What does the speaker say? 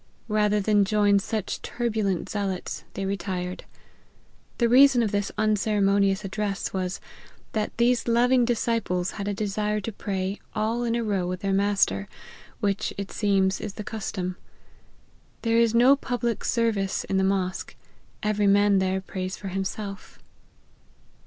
Rather than join such turbulent zealots, they re tired. The reason of this unceremonious address was, that these loving disciples had a desire to pray all in a row with their master, which, it seems, is the custom. There is no public service in the mosque ; every man there prays for himself."